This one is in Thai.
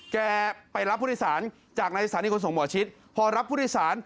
แกไปรับผู้โดยสารจากในสถานีขนส่งหมอชิดพอรับผู้โดยสาร